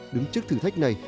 đứng trước thử thách này